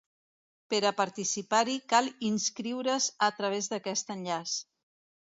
Per a participar-hi cal inscriure’s a través d’aquest enllaç.